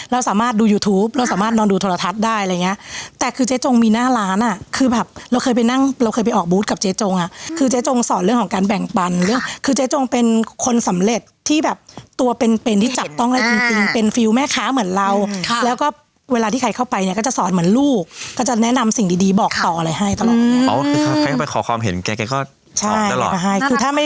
เราสามารถดูยูทูปเราสามารถนอนดูโทรทัศน์ได้อะไรอย่างเงี้ยแต่คือเจ๊จงมีหน้าร้านอ่ะคือแบบเราเคยไปนั่งเราเคยไปออกบูธกับเจ๊จงอ่ะคือเจ๊จงสอนเรื่องของการแบ่งปันค่ะคือเจ๊จงเป็นคนสำเร็จที่แบบตัวเป็นเป็นที่จับต้องได้จริงจริงเป็นฟิวแม่คะเหมือนเราค่ะแล้วก็เวลาที่ใครเข้าไปเนี้ยก็จะสอนเหมื